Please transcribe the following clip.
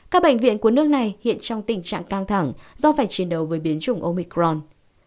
các bệnh viện của nước này hiện trong tình trạng căng thẳng do phải chiến đấu với biến chủng omicron